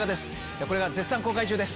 これが絶賛公開中です。